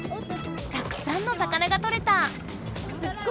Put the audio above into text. たくさんの魚がとれた！